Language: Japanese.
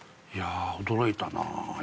いやぁ驚いたな。